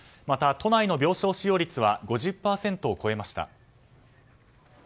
また、都内の病床使用率は５０％を超えました。